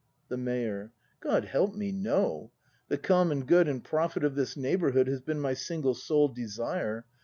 The Mayor. God help me, no! The common good And profit of this neighbourhood Has been my single, sole desire.